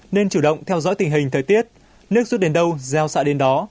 nên chủ động theo dõi tình hình thời tiết nước rút đến đâu gieo xạ đến đó